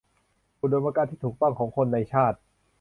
อุดมการณ์ที่ถูกต้องของคนในชาติ